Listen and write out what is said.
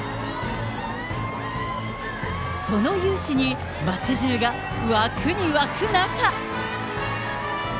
その雄姿に街じゅうが沸くに沸く中。